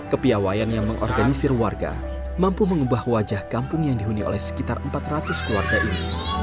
kepiawayan yang mengorganisir warga mampu mengubah wajah kampung yang dihuni oleh sekitar empat ratus keluarga ini